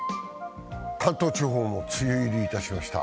関東地方も梅雨入りいたしました。